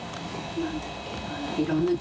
何だっけ？